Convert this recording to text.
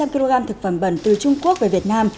một trăm linh kg thực phẩm bẩn từ trung quốc về việt nam